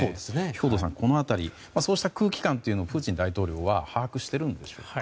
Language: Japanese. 兵頭さん、この辺りそうした空気感というのをプーチン大統領は把握しているのでしょうか？